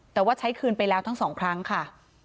แต่ว่าใช้คืนไปแล้วทั้งสองครั้งค่ะ